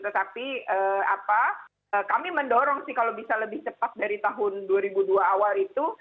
tetapi kami mendorong sih kalau bisa lebih cepat dari tahun dua ribu dua awal itu